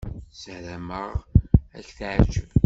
Ssarameɣ ad k-teɛjeb.